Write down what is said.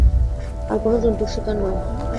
আর কোনো জন্তুর শিকার নয়!